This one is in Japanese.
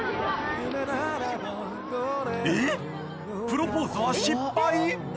プロポーズは失敗？